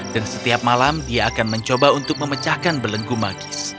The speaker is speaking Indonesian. dan setiap malam dia akan mencoba untuk memecahkan belenggu magis